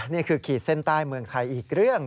ขีดเส้นใต้เมืองไทยอีกเรื่อง